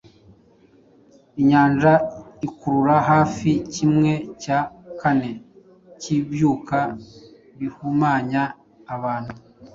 Inyanja ikurura hafi kimwe cya kane cy’ibyuka bihumanya abantu.